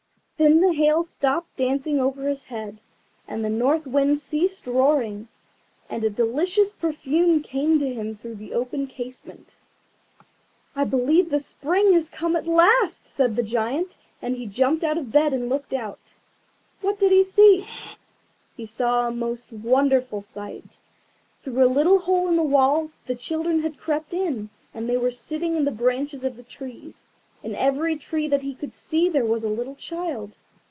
Then the Hail stopped dancing over his head, and the North Wind ceased roaring, and a delicious perfume came to him through the open casement. "I believe the Spring has come at last," said the Giant; and he jumped out of bed and looked out. What did he see? He saw a most wonderful sight. Through a little hole in the wall the children had crept in, and they were sitting in the branches of the trees. In every tree that he could see there was a little child.